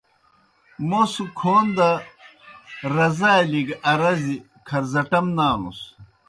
موْس کھون دہ رزالیْ گی ارَزیْ کھرزٹَم نانُس۔